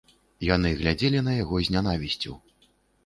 Яны глядзелі на яго з нянавісцю.